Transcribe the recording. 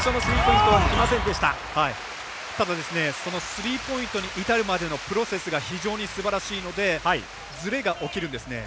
スリーポイントに至るまでのプロセスが非常にすばらしいのでずれが起きるんですね。